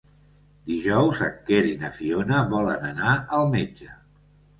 Dijous en Quer i na Fiona volen anar al metge.